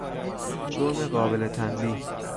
جرم قابل تنبیه